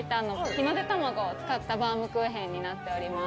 日の出たまごを使ったバームクーヘンになっております。